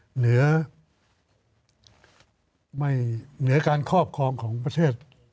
เหนือการครอบครองของประเทศ